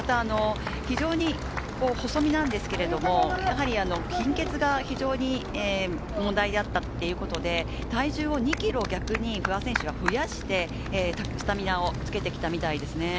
非常に細みなんですけど、貧血が非常に問題であったということで体重を２ｋｇ、逆に不破選手は増やしてスタミナをつけてきたみたいですね。